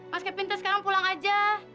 mas kevin sekarang pulang aja